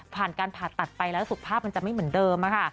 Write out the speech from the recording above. ผ่านการผ่าตัดไปแล้วสุขภาพมันจะไม่เหมือนเดิมค่ะ